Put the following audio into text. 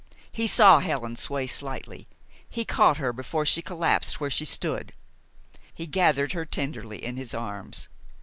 He saw Helen sway slightly. He caught her before she collapsed where she stood. He gathered her tenderly in his arms.